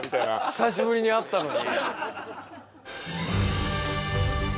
久しぶりに会ったのに。